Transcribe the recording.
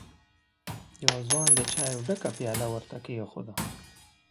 يوه ځوان د چايو ډکه پياله ور ته کېښوده.